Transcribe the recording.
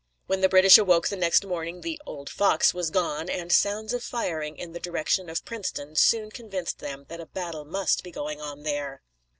When the British awoke the next morning, the "old fox" was gone, and sounds of firing in the direction of Prince´ton soon convinced them that a battle must be going on there.